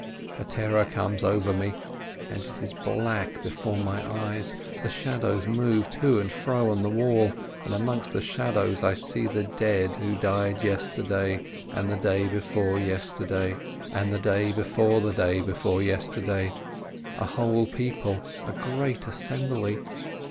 A terror comes over me, and it is black before my eyes. The shadows move to and fro on the wall, and amongst the shadows I see the dead who died yesterday and the day before yesterday and the 276 FRISCHMANN day before the day before yesterday — a whole people, a great assembly.